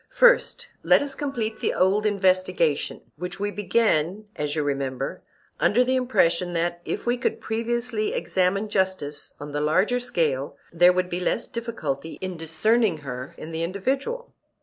First let us complete the old investigation, which we began, as you remember, under the impression that, if we could previously examine justice on the larger scale, there would be less difficulty in discerning her in the individual.